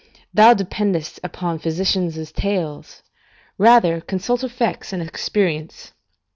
Thou dependest upon physicians' tales: rather consult effects and experience.